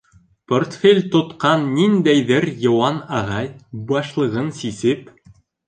Портфель тотҡан ниндәйҙер йыуан ағай, башлығын сисеп: